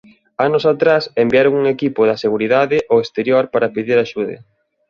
Anos atrás enviaron un equipo da "Seguridade" ao exterior para pedir axuda.